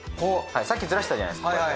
さっきずらしてたじゃないですか。